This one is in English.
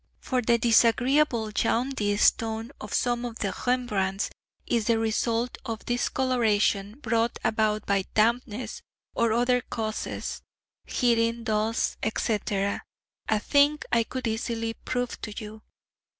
For the disagreeable jaundiced tone of some of the Rembrandts is the result of discolouration brought about by dampness or other causes (heating, dust, etc.), a thing I could easily prove to you.